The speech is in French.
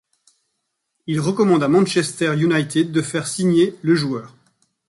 Il recommande à Manchester United de faire signer le joueur.